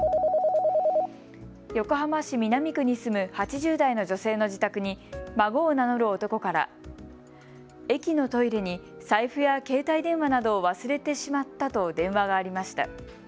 横浜市南区に住む８０代の女性の自宅に孫を名乗る男から駅のトイレに財布や携帯電話などを忘れてしまったと電話がありました。